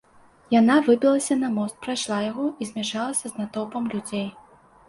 Яна выбілася на мост, прайшла яго і змяшалася з натоўпам людзей.